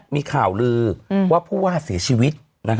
มีข่าวลือว่าผู้ว่าเสียชีวิต